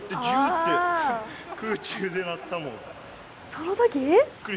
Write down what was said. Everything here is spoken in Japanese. その時？